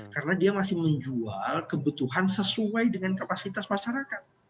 karena dia masih menjual kebutuhan sesuai dengan kapasitas masyarakat